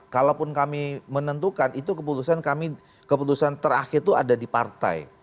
kalaupun kami menentukan itu keputusan kami keputusan terakhir itu ada di partai